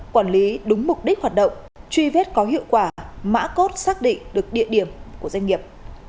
quản lý đúng mục đích hoạt động truy vết có hiệu quả mã cốt xác định được địa điểm của doanh nghiệp